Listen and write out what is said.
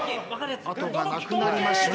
後がなくなりました。